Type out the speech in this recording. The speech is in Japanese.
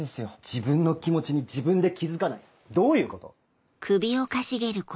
自分の気持ちに自分で気付かないどういうこと？